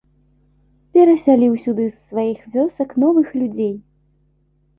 Перасяліў сюды з сваіх вёсак новых людзей.